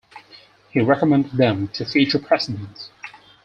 He recommended them to future Presidents.